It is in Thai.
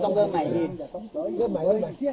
ตอนนี้ต้องเริ่มใหม่นี่